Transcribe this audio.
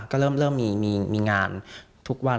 ก็เริ่มมีงานทุกวัน